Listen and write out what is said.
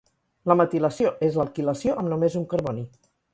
La metilació és l’alquilació amb només un carboni.